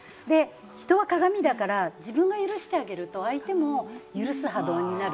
人は鏡だから、自分が許してあげると、相手も許す波動になる。